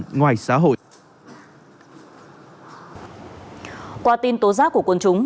phòng cảnh sát hình sự công an tỉnh đắk lắk vừa ra quyết định khởi tố bị can bắt tạm giam ba đối tượng